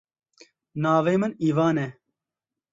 Navê min Ivan e.